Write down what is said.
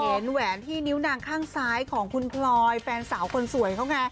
แหวนที่นิ้วนางข้างซ้ายของคุณพลอยแฟนสาวคนสวยเขาไง